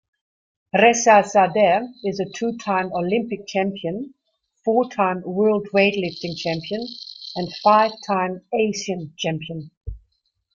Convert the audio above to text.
Rezazadeh is a two-time Olympic champion, four-time World Weightlifting champion, and five-time Asian champion.